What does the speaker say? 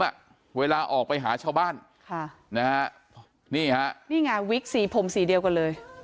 เวลาออกไปหาชาวบ้านค่ะนะฮะนี่ฮะนี่ไงวิกสีผมสีเดียวกันเลย